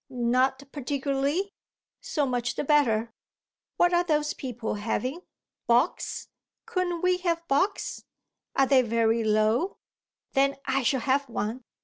Not particularly? So much the better. What are those people having? Bocks? Couldn't we have bocks? Are they very low? Then I shall have one.